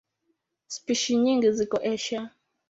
Spishi nyingi ziko Asia.